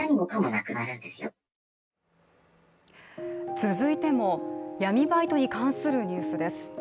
続いても闇バイトに関するニュースです。